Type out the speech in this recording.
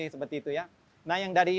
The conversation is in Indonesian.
seperti itu ya nah yang dari